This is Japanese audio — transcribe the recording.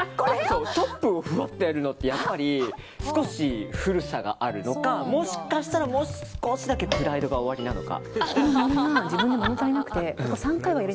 トップをふわっとやるのって少し古さがあるのかもしかしたら、もう少しだけプライドがおありなのか。